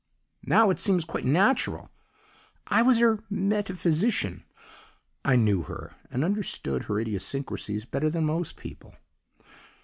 Now it seems quite natural; I was her metaphysician, I knew her and understood her idiosyncrasies better than most people.